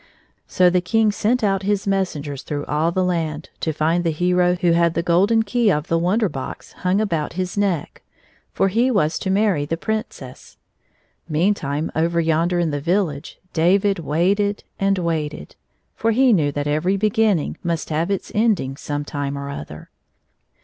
So the King sent out his messengers through all the land to find the hero who had the golden key 179 of the Wonder Box hung about his neck. For he was to marry the Princess. Meantime over yonder in the village David waited and waited, for he knew that every be ginning must have its ending some time or other.